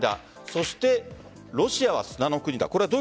そしてロシアは砂の国だ